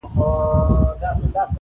ورته ګوره چي عطا کوي سر خم کا,